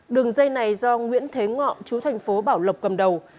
đường dây này do nguyễn thế ngọ chú thành phố bảo lộc cầm đầu